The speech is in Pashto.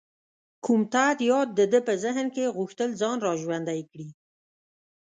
کوم تت یاد د ده په ذهن کې غوښتل ځان را ژوندی کړي.